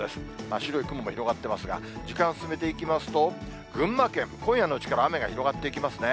白い雲も広がってますが、時間進めていきますと、群馬県、今夜のうちから雨が広がっていきますね。